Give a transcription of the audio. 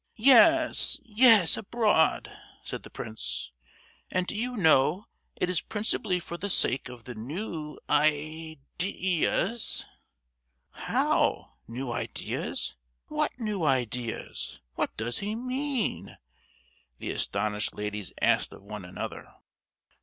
"Yes—yes, abroad," said the prince; "and do you know it is principally for the sake of the new i—deas——" "How, new ideas? what new ideas—what does he mean?" the astonished ladies asked of one another.